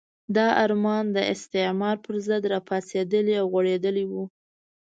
دا ارمان د استعمار پرضد راپاڅېدلی او غوړېدلی وو.